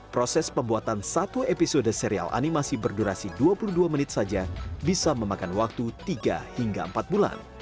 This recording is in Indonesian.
proses pembuatan satu episode serial animasi berdurasi dua puluh dua menit saja bisa memakan waktu tiga hingga empat bulan